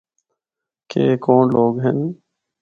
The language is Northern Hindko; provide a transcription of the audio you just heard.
کہ اے کونڑ لوگ ہن۔